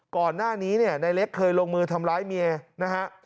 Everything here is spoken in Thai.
ก่อนหน้านี้เนี่ยนายเล็กเคยลงมือทำร้ายเมียนะฮะ